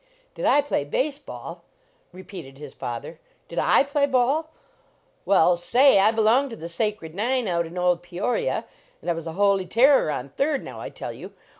"Did I play base ball?" repeated his father, "did I play ball? Well, say, I be longed to the Sacred Nine out in old Peoria, and I was a holy terror on third, now I tell you.